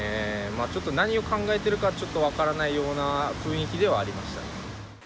ちょっと何を考えているかは分からないような雰囲気ではありまし